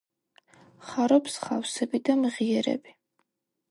ხარობს ხავსები და მღიერები.